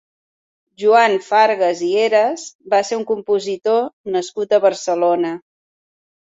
Joan Fargas i Heras va ser un compositor nascut a Barcelona.